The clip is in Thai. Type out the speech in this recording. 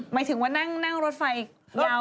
หมายถึงว่านั่งรถไฟยาว